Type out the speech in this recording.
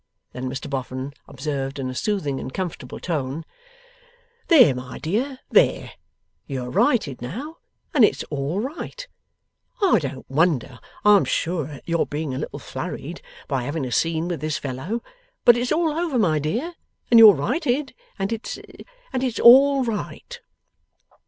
Then Mr Boffin observed in a soothing and comfortable tone, 'There, my dear, there; you are righted now, and it's ALL right. I don't wonder, I'm sure, at your being a little flurried by having a scene with this fellow, but it's all over, my dear, and you're righted, and it's and it's ALL right!